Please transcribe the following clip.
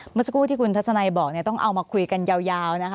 เมื่อสักครู่ที่คุณทัศนัยบอกต้องเอามาคุยกันยาวนะคะ